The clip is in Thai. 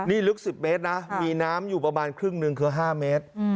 นี่ลึก๑๐เมตรนะมีน้ำอยู่ประมาณครึ่งหนึ่งคือ๕เมตร